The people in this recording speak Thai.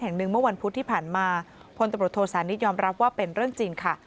แห่งหนึ่งเมื่อวันพุทธที่ผ่านมาพลตรวจโทรศานิยมรับว่าเป็นเรื่องจริงค่ะ